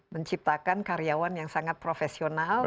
menciptakan karyawan yang sangat profesional